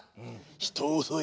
「人を襲え！